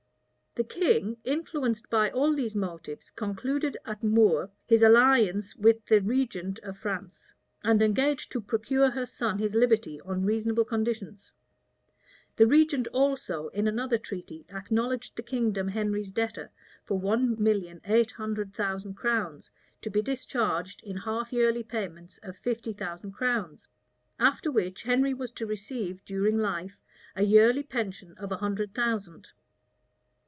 The king, influenced by all these motives, concluded at Moore his alliance with the regent of France, and engaged to procure her son his liberty on reasonable conditions:[*] the regent also, in another treaty, acknowledged the kingdom Henry's debtor for one million eight hundred thousand crowns to be discharged in half yearly payments of fifty thousand crowns; after which Henry was to receive, during life, a yearly pension of a hundred thousand.